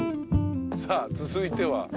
さあ続いては？